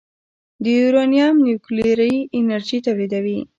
د یورانیم نیوکلیري انرژي تولیدوي.